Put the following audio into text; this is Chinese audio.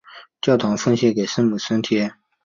教堂奉献给圣母升天。